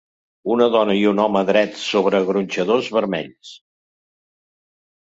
Una dona i un home drets sobre gronxadors vermells.